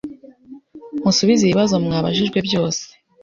Musubize ibibazo mwabajijwe byose